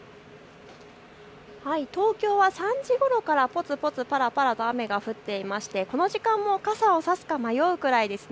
東京は３時ごろからぽつぽつ、ぱらぱらと雨が降っていましてこの時間も傘を差すか迷うくらいです。